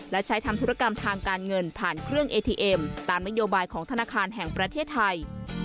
และใช้ทำธุรกรรมทางการเงินผ่านเครื่องเอทีเอ็มตามนโยบายของธนาคารแห่งประเทศไทย